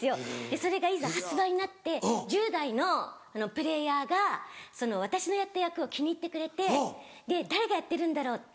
それがいざ発売になって１０代のプレーヤーが私のやった役を気に入ってくれて「誰がやってるんだろう？